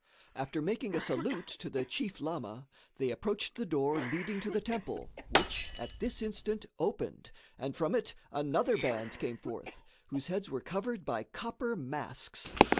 After making a salute to the chief lama, they approached the door leading to the temple, which at this instant opened, and from it another band came forth, whose heads were covered by copper masks.